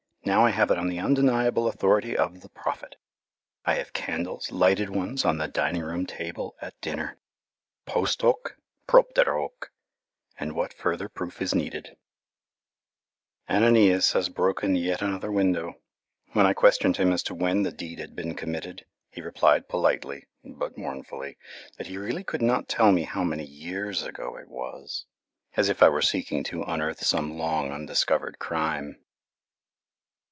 Now I have it on the undeniable authority of the Prophet. I have candles, lighted ones, on the dining room table at dinner. Post hoc, propter hoc and what further proof is needed! [Illustration: ANANIAS HAS BROKEN YET ANOTHER WINDOW] Ananias has broken yet another window. When I questioned him as to when the deed had been committed, he replied politely, but mournfully, that he really could not tell me how many YEARS ago it was, as if I were seeking to unearth some long undiscovered crime.